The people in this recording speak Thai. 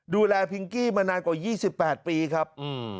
ดูแลพิงกี้มานานกว่ายี่สิบแปดปีครับอืม